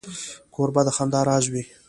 کوربه د خندا راز وي.